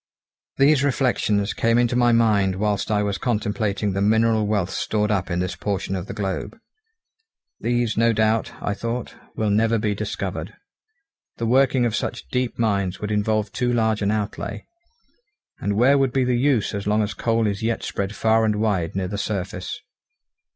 These reflections came into my mind whilst I was contemplating the mineral wealth stored up in this portion of the globe. These no doubt, I thought, will never be discovered; the working of such deep mines would involve too large an outlay, and where would be the use as long as coal is yet spread far and wide near the surface?